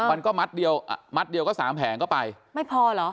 มันก็มัดเดียวอ่ะมัดเดียวก็สามแผงก็ไปไม่พอเหรอ